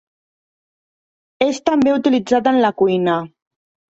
És també utilitzat en la cuina.